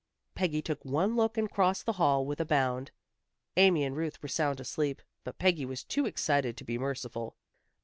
Peggy took one look and crossed the hall with a bound. Amy and Ruth were sound asleep, but Peggy was too excited to be merciful.